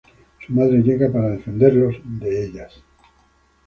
Su madre llega para defenderlo de ellas.